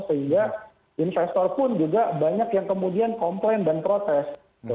sehingga investor pun juga banyak yang kemudian komplain dan protes